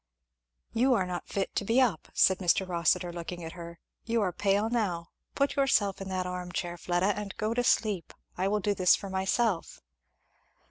"You are not fit to be up," said Mr. Rossitur, looking at her, "you are pale now, Put yourself in that arm chair, Fleda, and go to sleep I will do this for myself."